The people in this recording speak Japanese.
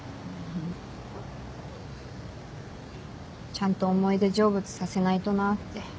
ちゃんと思い出成仏させないとなって。